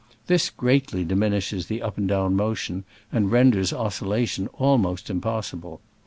This greatly diminishes the up and down motion, and renders oscillation almost impossible.